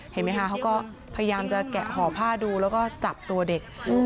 เห็นไหมคะเขาก็พยายามจะแกะห่อผ้าดูแล้วก็จับตัวเด็ก